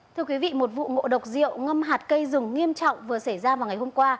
thưa quý vị một vụ ngộ độc rượu ngâm hạt cây rừng nghiêm trọng vừa xảy ra vào ngày hôm qua